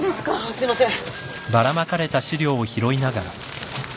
すいません。